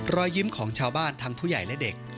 รอยยิ้มของชาวบ้านทั้งผู้ใหญ่และเด็ก